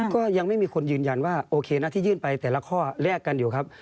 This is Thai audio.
ก็ยังไม่มีคนยืนยันว่าโอเคนะที่ยื่นไปแต่ละข้อแลกกันอยู่ครับ